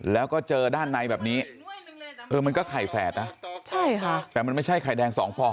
แล้วก็เจอด้านในแบบนี้เออมันก็ไข่แฝดนะใช่ค่ะแต่มันไม่ใช่ไข่แดงสองฟอง